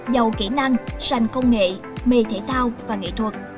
giàu kỹ năng sanh công nghệ mê thể thao và nghệ thuật